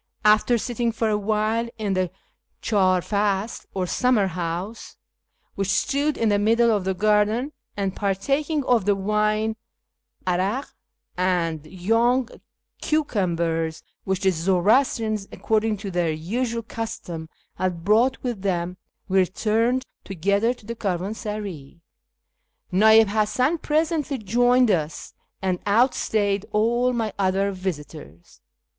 After sitting for a while in the clidr fasl or summer house, which stood in the middle of the garden, and partaking of the wine, 'arak, and young cucumbers which the Zoroastrians, according to their usual custom, had brought with them, we returned together to the caravansaray. Na'ib Hasan presently joined us, and outstayed all my other visitors.